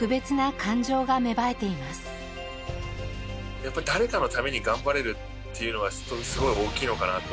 やっぱり誰かのために頑張れるっていうのがすごい大きいのかなと。